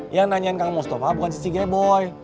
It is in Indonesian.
yang nanyain kang mustafa bukan sisi g boy